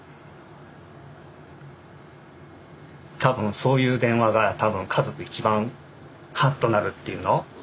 多分そういう電話が家族一番ハッとなるっていうの？